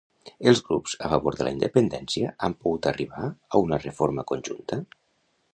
Els grups a favor de la independència han pogut arribar a una reforma conjunta?